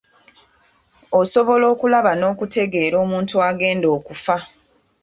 Osobola okulaba n'okutegeera omuntu agenda okufa.